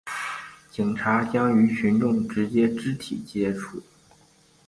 警察将与群众直接肢体接触